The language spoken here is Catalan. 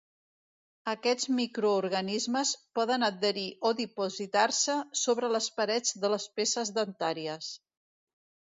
Aquests microorganismes poden adherir o dipositar-se sobre les parets de les peces dentàries.